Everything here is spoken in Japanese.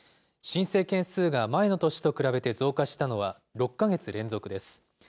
申請件数が前の年と比べて増加したのは６か月連続です。